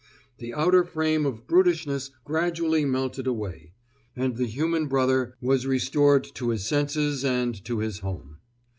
The outer frame of brutishness gradually melted away, and the human brother was restored to his senses and to his home.